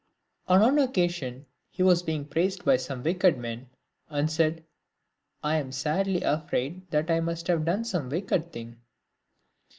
On one occasion he was being praised by some wicked men, and said, " I am sadly afraid that I must have done some wicked thing."